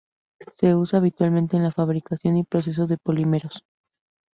Se usa habitualmente en la fabricación y procesado de polímeros.